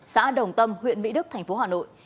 xã đồng tâm huyện mỹ đức thành phố hà nội